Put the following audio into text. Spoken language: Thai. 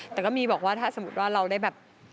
แต่ก็มีบอกว่าถ้าสมมุติว่าเราได้แบบ